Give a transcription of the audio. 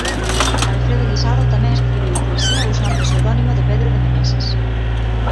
Alfredo Guisado tamén escribiu poesía usando o pseudónimo de Pedro de Meneses.